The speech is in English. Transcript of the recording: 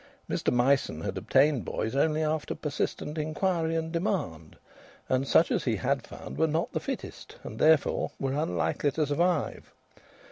Mr Myson had obtained boys only after persistent inquiry and demand, and such as he had found were not the fittest, and therefore were unlikely to survive.